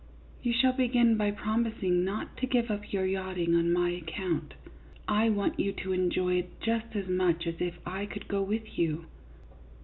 You shall begin by promising not to give up your yachting on my account. I want you to enjoy it just as much as if I could go with you.